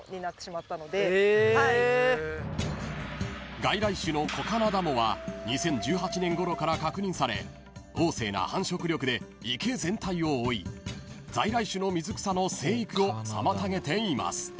［外来種のコカナダモは２０１８年ごろから確認され旺盛な繁殖力で池全体を覆い在来種の水草の生育を妨げています］